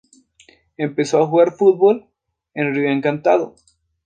Empezó a jugar al fútbol en Río Encantado.